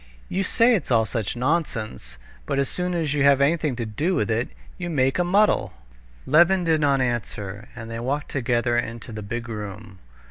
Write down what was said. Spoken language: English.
"You say it's all such nonsense, but as soon as you have anything to do with it, you make a muddle." Levin did not answer, and they walked together into the big room.